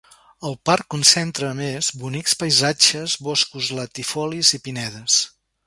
El parc concentra, a més, bonics paisatges, boscos latifolis i pinedes.